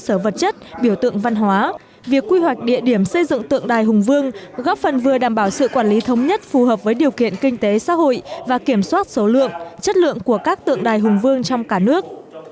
cơ sở vật chất biểu tượng văn hóa việc quy hoạch địa điểm xây dựng tượng đài hùng vương góp phần vừa đảm bảo sự quản lý thống nhất phù hợp với điều kiện kinh tế xã hội và kiểm soát số lượng chất lượng của các tượng đài hùng vương trong cả nước